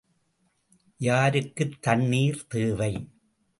யாருக்குத் தண்னீர் தேவை?